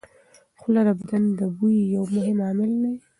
خوله د بدن د بوی یو مهم عامل دی.